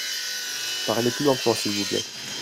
Parlez plus lentement s'il vous plait.